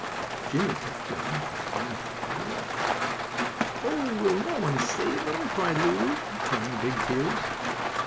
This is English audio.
Jimmie kept going farther and farther away. "Oh, will no one save him?" asked Lulu, crying big tears.